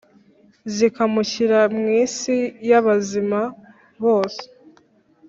zikamushyira mw’isi y’abazima bose